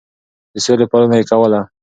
د سولې پالنه يې کوله.